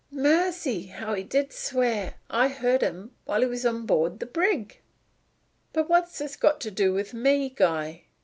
Mercy! how he did swear! I heard him while he was on board the brig." "But what has this to do with me, Guy?"